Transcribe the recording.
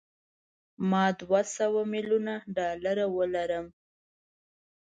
ما دوه سوه میلیونه ډالره ولرم.